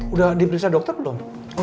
udah diperiksa dokter belum